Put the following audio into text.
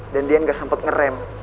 dan deyan gak sempat ngerem